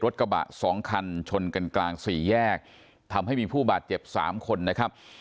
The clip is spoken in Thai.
รถกระบะ๒คันชนกันกลาง๔แยกทำให้มีผู้บาดเจ็บ๓คนนะครับ